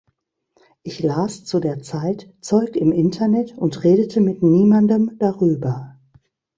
Ich las zu der Zeit Zeug im Internet und redete mit niemandem darüber.